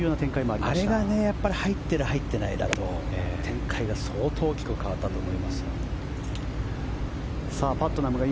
あれが入っている入っていないだと展開が相当大きく変わったんだと思いますが。